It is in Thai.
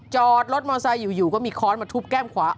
จอดรถมอไซค์อยู่ก็มีค้อนมาทุบแก้มขวา